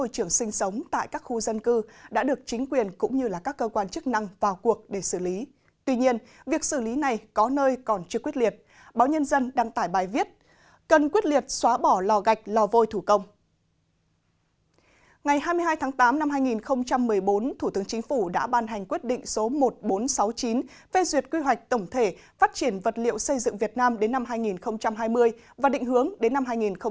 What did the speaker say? từ một mươi hai tháng tám năm hai nghìn một mươi bốn thủ tướng chính phủ đã ban hành quyết định số một nghìn bốn trăm sáu mươi chín về duyệt quy hoạch tổng thể phát triển vật liệu xây dựng việt nam đến năm hai nghìn hai mươi và định hướng đến năm hai nghìn ba mươi